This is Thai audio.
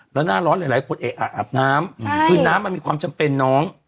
แล้วหน้าร้อนหลายคนอาบน้ำคือน้ำมันมีความจำเป็นน้อง